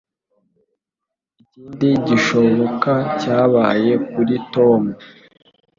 Ikindi gishoboka cyabaye kuri Tom